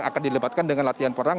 akan dilebatkan dengan latihan perang